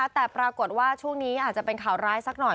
แต่ปรากฏว่าช่วงนี้อาจจะเป็นข่าวร้ายสักหน่อย